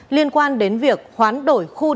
liên quan đến việc khoán đổi khu địa